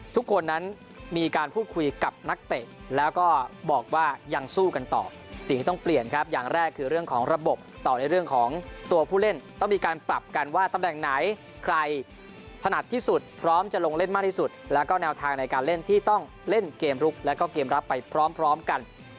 ทุกคนนั้นมีการพูดคุยกับนักเตะแล้วก็บอกว่ายังสู้กันต่อสิ่งที่ต้องเปลี่ยนครับอย่างแรกคือเรื่องของระบบต่อในเรื่องของตัวผู้เล่นต้องมีการปรับกันว่าตำแหน่งไหนใครถนัดที่สุดพร้อมจะลงเล่นมากที่สุดแล้วก็แนวทางในการเล่นที่ต้องเล่นเกมลุกแล้วก็เกมรับไปพร้อมกัน